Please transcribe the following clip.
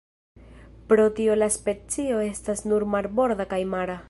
Pro tio la specio estas nur marborda kaj mara.